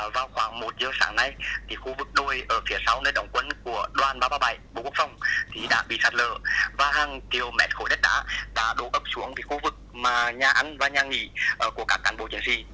vào khoảng một giờ sáng nay thì khu vực đôi ở phía sau nơi đóng quần của đoàn ba trăm ba mươi bảy bộ quốc phòng thì đã bị sạt lở và hàng kiểu mẹt khối đất đá đã đổ ấp xuống khu vực nhà ăn và nhà nghỉ của các cán bộ chiến sĩ